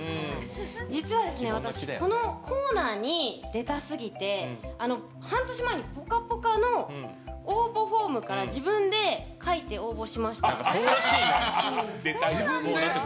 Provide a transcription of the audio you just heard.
実は私このコーナーに出たすぎて半年前に「ぽかぽか」の応募フォームから自分で書いてそうらしいね、出たいって。